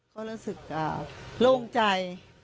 ก็รู้สึกโล่งใจ